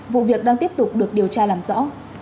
vụ việc đang tiếp tục được điều tra làm rõ